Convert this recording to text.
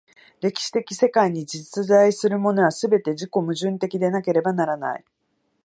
歴史的世界に実在するものは、すべて自己矛盾的でなければならない。